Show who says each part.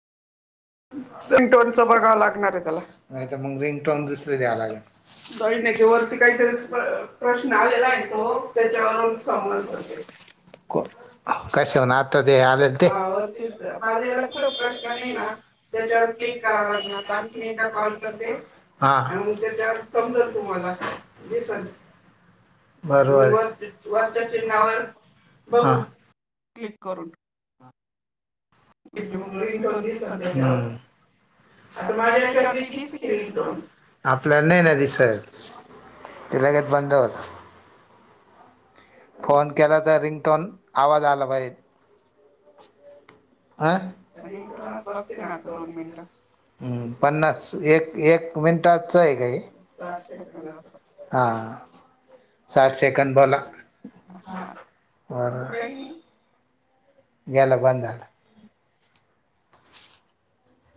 Speaker 1: रिंगटोनच बघावं
Speaker 2: हावर
Speaker 1: लागणार आहे त्याला, नाही त मग रिंगटोन दुसरी द्यावा लागेल दैनकीवरती काहीतरी प्रश्न आलेला आहे तो त्याच्यावरून सामन भरते को. कशावरून आता ते आलेल ते,
Speaker 2: तेच माझ्या याला कुठं प्रश्न नाही ना
Speaker 1: त्याच्यावर क्लिक
Speaker 2: करावं
Speaker 1: कराव
Speaker 2: लागणार
Speaker 1: लाग
Speaker 2: आता आणखीन
Speaker 1: आणखीदा
Speaker 2: एकदा
Speaker 1: कॉल करतेग
Speaker 2: करते आणि
Speaker 1: त्यावर
Speaker 2: त्याच्यावर
Speaker 1: समजल
Speaker 2: समजाल
Speaker 1: तुमला
Speaker 2: तुम्हाला
Speaker 1: दिसल वरच्या चिन्हावर बघ.
Speaker 2: बघू क्लिक करून. म्हणजे मग रिंगटोन दिसल त्याच्यावर आता माझ्या याच्यावरली दिसते रिंगटोन
Speaker 1: आपल्या नाही ना दिसात. ते लगेच बंद होतं. फोन केला तर रिंगटोन आवाज आला पाहिजेत. [unintelligible] अं
Speaker 2: रिंगटोनच बघते ना आता दोन मिनिटं
Speaker 1: हम् पन्नास एक एक मिनटाच आहे का हे
Speaker 2: आठ सेकंद
Speaker 1: साठ सेकंड बोला,
Speaker 2: हा
Speaker 1: बरं.
Speaker 2: तसं काही नाही
Speaker 1: गेलं बंद झालं.